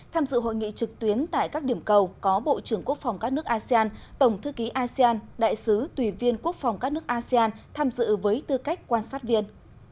tham dự hội nghị trực tuyến tại các điểm cầu có bộ trưởng quốc phòng các nước asean tổng thư ký asean đại sứ tùy viên quốc phòng các nước asean tham dự với tư cách quan sát viên